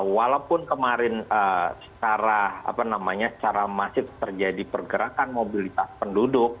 walaupun kemarin secara masif terjadi pergerakan mobilitas penduduk